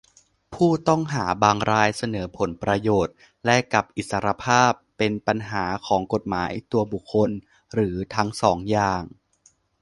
ผู้ต้องหาบางรายเสนอผลประโยชน์แลกกับอิสรภาพ เป็นปัญหาของกฎหมาย ตัวบุคคล หรือทั้งสองอย่าง